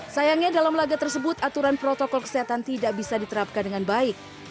sayangnya dalam laga tersebut aturan protokol kesehatan tidak bisa diterapkan dengan baik